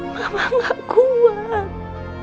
mama gak kuat